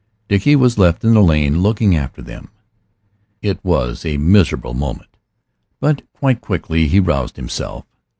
Dickie was left in the lane looking after them. It was a miserable moment. But quite quickly he roused himself.